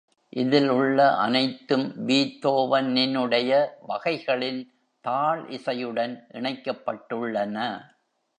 இதில் உள்ள அனைத்தும் பீத்தோவனினுடைய வகைகளின் தாள் இசையுடன் இணைக்கப்பட்டுள்ளன.